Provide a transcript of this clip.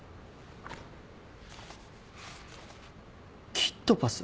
「キットパス」？